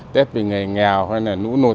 tết vì nghề nghèo hay là nũ nụt